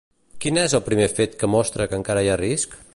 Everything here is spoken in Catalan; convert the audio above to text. Quin és el primer fet que mostra que encara hi ha risc?